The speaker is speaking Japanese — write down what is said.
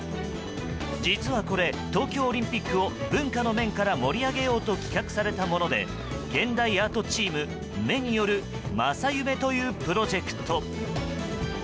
実はこれ、東京オリンピックを文化の面から盛り上げようと企画されたもので現代アートチーム目［ｍｅ］による「まさゆめ」というプロジェクト。